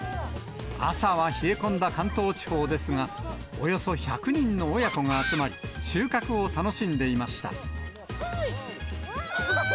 朝は冷え込んだ関東地方ですが、およそ１００人の親子が集まり、収穫を楽しんでいました。